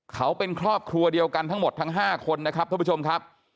เขาเป็นครอบครัวเดียวกันทั้งหมดทั้ง๕คนนะครับท่านผู้ชมครับ